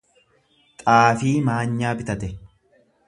Xaafii maanyaa bitate.